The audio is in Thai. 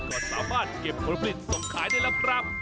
ก่อนสามารถเก็บผลปิดส่งขายได้รับครับ